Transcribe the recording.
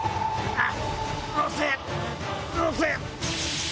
あっ。